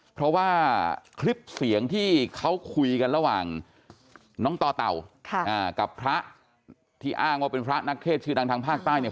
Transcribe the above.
เพราะว่าคลิปเสียงที่เขาคุยกันระหว่างน้องต่อเต่ากับพระที่อ้างว่าเป็นพระนักเทศชื่อดังทางภาคใต้เนี่ย